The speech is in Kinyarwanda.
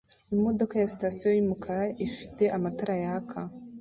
Imodoka ya sitasiyo yumukara ifite amatara yaka